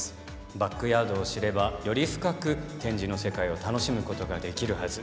バックヤードを知ればより深く展示の世界を楽しむことができるはず。